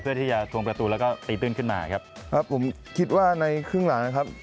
เพื่อที่จะทรงประตูแล้วก็ตีตื้นขึ้นมาครับ